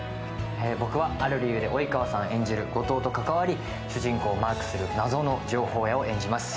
僕はある理由で及川さん演じる後藤と関わり、主人公をマークする謎の情報屋を演じます。